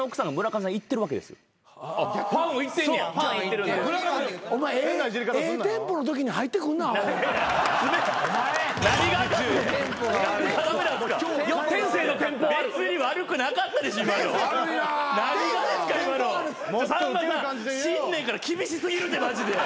さんまさん新年から厳し過ぎるってマジで。